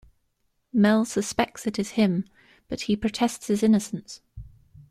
Mel suspects it is him but he protests his innocence.